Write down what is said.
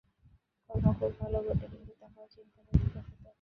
কর্ম খুব ভাল বটে, কিন্তু তাহাও চিন্তা হইতে প্রসূত।